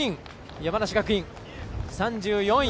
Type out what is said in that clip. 山梨学院、３４位。